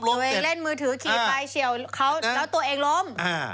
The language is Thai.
เล่นมือถือขี่ไปเฉียวเขาแล้วตัวเองล้ม